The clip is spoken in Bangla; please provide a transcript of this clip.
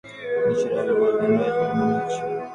নিসার আলি বললেন, রাজবাড়ি বলে মনে হচ্ছে।